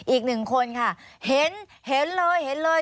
อีก๑คนค่ะเห็นเลย